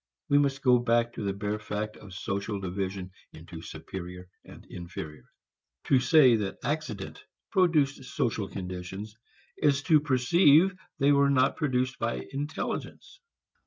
We must go back to the bare fact of social division into superior and inferior. To say that accident produced social conditions is to perceive they were not produced by intelligence.